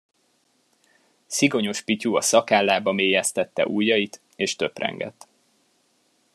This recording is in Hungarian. Szigonyos Pityu a szakállába mélyesztette ujjait és töprengett.